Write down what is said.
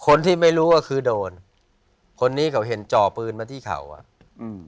คนที่ไม่รู้ก็คือโดนคนนี้เขาเห็นจ่อปืนมาที่เขาอ่ะอืม